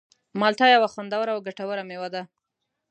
مالټه یوه خوندوره او ګټوره مېوه ده.